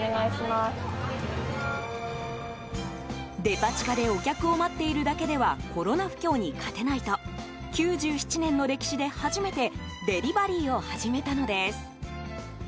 デパ地下でお客を待っているだけではコロナ不況に勝てないと９７年の歴史で初めてデリバリーを始めたのです。